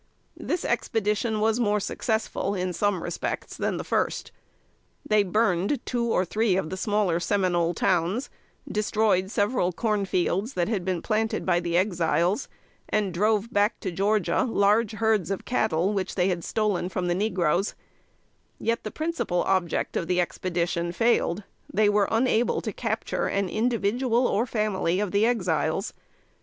This expedition was more successful, in some respects, than the first. They burned two or three of the smaller Seminole towns, destroyed several cornfields that had been planted by the Exiles, and drove back to Georgia large herds of cattle, which they had stolen from the negroes; yet the principal object of the Expedition failed: They were unable to capture an individual, or family, of the Exiles.